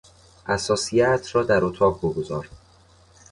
اثاثیهات را در اتاق بگذار